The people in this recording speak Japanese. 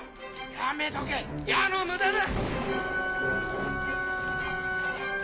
やめとけ矢の無駄だ。